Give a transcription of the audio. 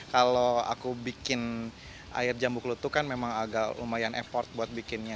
kalau aku bikin air jambu klutuk kan memang agak lumayan effort buat bikinnya